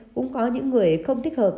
cũng có những người không thích hợp